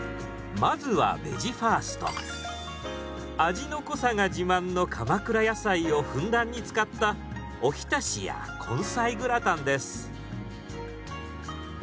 味の濃さが自慢の鎌倉野菜をふんだんに使ったお浸しや根菜グラタンです。